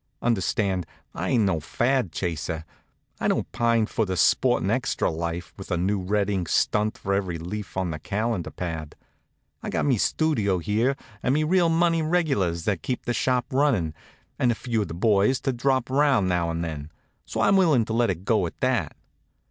Understand, I ain't no fad chaser. I don't pine for the sporting extra life, with a new red ink stunt for every leaf on the calendar pad. I got me studio here, an' me real money reg'lars that keeps the shop runnin', and a few of the boys to drop around now and then; so I'm willing to let it go at that.